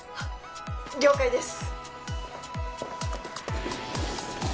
了解です。